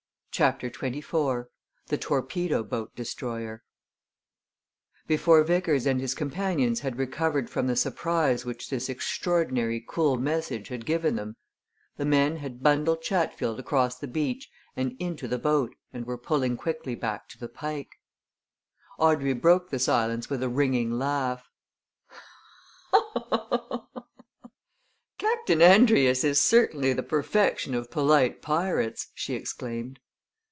CHAPTER XXIV THE TORPEDO BOAT DESTROYER Before Vickers and his companions had recovered from the surprise which this extraordinary cool message had given them, the men had bundled Chatfield across the beach and into the boat and were pulling quickly back to the Pike. Audrey broke the silence with a ringing laugh. "Captain Andrius is certainly the perfection of polite pirates," she exclaimed.